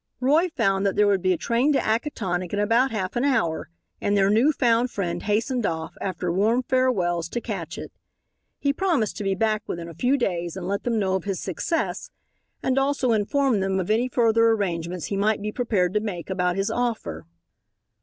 Roy found that there would be a train to Acatonick in about half an hour, and their new found friend hastened off, after warm farewells, to catch it. He promised to be back within a few days and let them know of his success, and also inform them of any further arrangements he might be prepared to make about his offer.